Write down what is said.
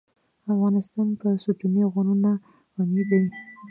افغانستان په ستوني غرونه غني دی.